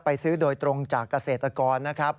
ซื้อโดยตรงจากเกษตรกรนะครับ